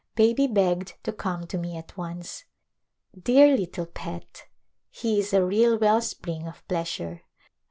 Baby begged to come to me at once. Dear little pet ! he is a real well spring of pleasure.